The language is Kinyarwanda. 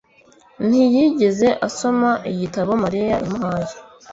ntiyigeze asoma igitabo mariya yamuhaye